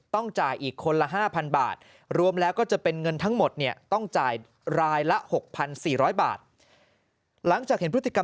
ต้องจ่ายอีกคนละ๕๐๐๐บาท